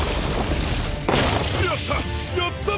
やった！